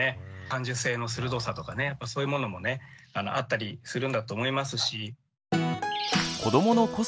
感受性の鋭さとかそういうものもねあったりするんだと思いますし。